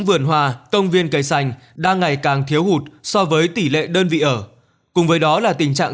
vườn hòa công viên cây xanh đang ngày càng thiếu hụt so với tỷ lệ đơn vị ở cùng với đó là tình trạng